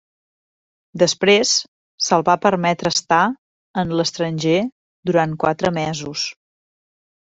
Després se'l va permetre estar en l'estranger durant quatre mesos.